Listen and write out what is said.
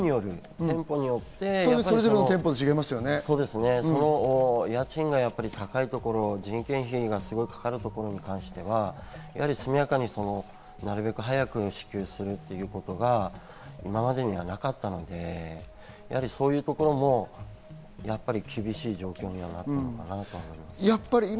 店舗によって、家賃が高いところ、人件費がすごいかかるところ、というのは速やかに、なるべく早く支給していただくことが今までにはなかったので、そういうところも厳しい状況になるかなと思います。